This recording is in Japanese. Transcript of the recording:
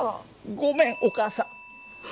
ごめんお母さん！